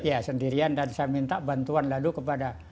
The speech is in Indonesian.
ya sendirian dan saya minta bantuan lalu kepada